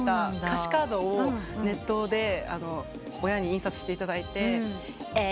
歌詞カードをネットで親に印刷していただいて。